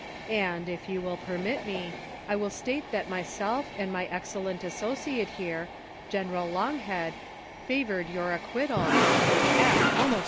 And, if you will permit me, ^I will state tliat myself and my excellent associate here, General Longhead, favored your acquittal, which act almost.